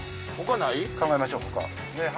考えましょう他。